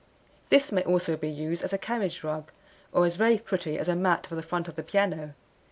This may also be used as a carriage rug, or is very pretty as a mat for the front of the piano.